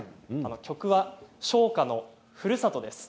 曲は唱歌の「ふるさと」です。